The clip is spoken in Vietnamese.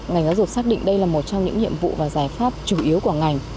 ngành giáo dục xác định đây là một trong những nhiệm vụ và giải pháp chủ yếu của ngành